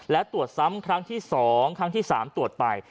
และตรวจซ้ำครั้งที่๒๓ตรวจไป